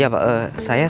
eh mbak jess